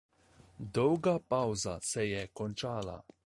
Dolga pavza se je končala.